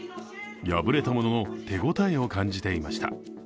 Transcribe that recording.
敗れたものの、手応えを感じていました。